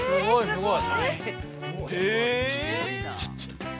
すごい！